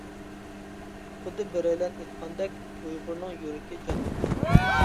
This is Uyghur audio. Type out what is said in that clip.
خۇددى بىرەيلەن ئېيتقاندەك، ئۇيغۇرنىڭ يۈرىكى جەنۇبتا.